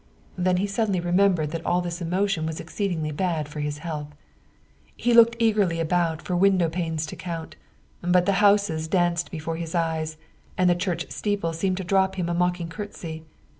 Then he suddenly remembered that all this emotion was exceedingly bad for his health. He looked eagerly about for window panes to count, but the houses danced before his eyes, and the church steeple seemed to drop him a mock ing courtesy.